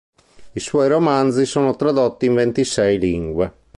I suoi romanzi sono tradotti in ventisei lingue.